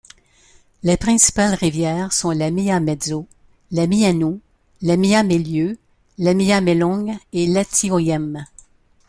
Les principales rivières sont la Mia-mezo, la Mianou, la Mia-melieu, la Mia-Meloung et l'Atioyem.